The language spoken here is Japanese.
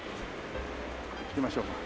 行きましょうか。